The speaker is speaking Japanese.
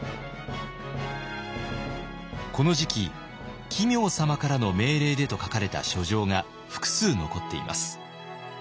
この時期「奇妙様からの命令で」と書かれた書状が複数残っています。